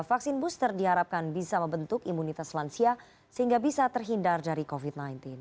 vaksin booster diharapkan bisa membentuk imunitas lansia sehingga bisa terhindar dari covid sembilan belas